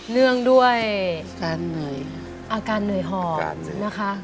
เนื่องด้วยอาการเหนื่อยหอบนะคะ